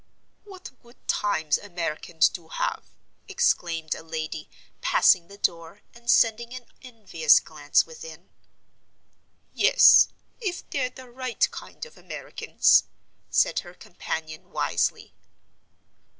"What good times Americans do have!" exclaimed a lady, passing the door, and sending an envious glance within. "Yes, if they're the right kind of Americans," said her companion, wisely.